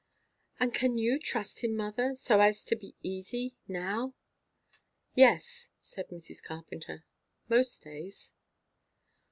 "And can you trust him, mother, so as to be easy? Now?" "Yes," said Mrs. Carpenter. "Most days."